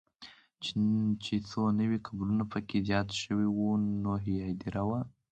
چې څو نوي قبرونه به پکې زیات شوي وو، نوې هدیره وه.